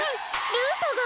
ルートが！